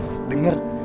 tuh kan denger